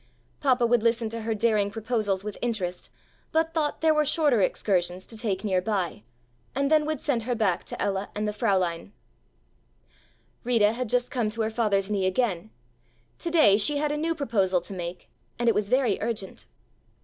Papa would listen to her daring proposals with interest, but thought there were shorter excursions to take nearby and then would send her back to Ella and the Fräulein. Rita had just come to her father's knee again. To day she had a new proposal to make and it was very urgent.